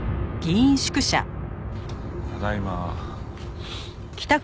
ただいま。